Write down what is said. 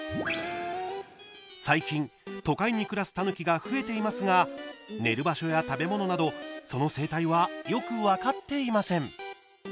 最近、都会に暮らすたぬきが増えていますが寝る場所や食べ物などその生態はよく分かっていません。